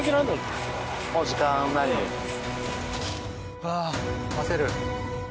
うわ焦る。